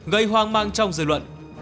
gây hoang mang trong dự luận